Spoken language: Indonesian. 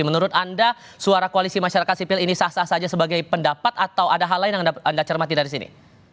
menurut anda suara koalisi masyarakat sipil ini sah sah saja sebagai pendapat atau ada hal lain yang anda cermati dari sini